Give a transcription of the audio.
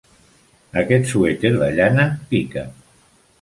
Aquest suèter de llana pica.